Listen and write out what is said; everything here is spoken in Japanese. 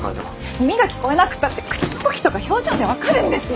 耳が聞こえなくったって口の動きとか表情で分かるんですよ！